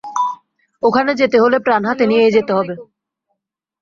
ওখানে যেতে গেলে প্রাণ হাঁতে নিয়েই যেতে হবে।